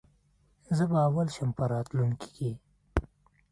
زه به اول شم په راتلونکې کي